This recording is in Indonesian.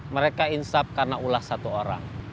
mereka insap karena ulah satu orang